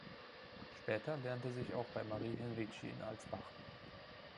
Später lernte sich auch bei Marie Henrici in Alsbach.